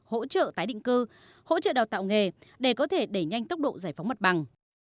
hỗ trợ tái định cư hỗ trợ đào tạo nghề để có thể đẩy nhanh tốc độ giải phóng mặt bằng